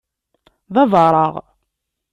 D abaṛeɣ.